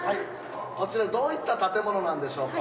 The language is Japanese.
こちらどういった建物なんでしょうか？